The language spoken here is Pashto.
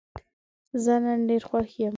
زه نن ډېر خوښ یم.